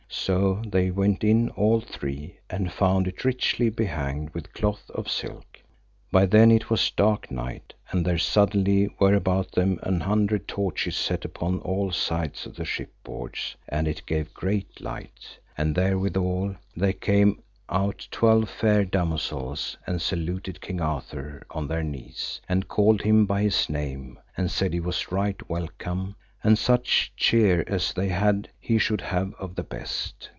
So they went in all three, and found it richly behanged with cloth of silk. By then it was dark night, and there suddenly were about them an hundred torches set upon all the sides of the ship boards, and it gave great light; and therewithal there came out twelve fair damosels and saluted King Arthur on their knees, and called him by his name, and said he was right welcome, and such cheer as they had he should have of the best.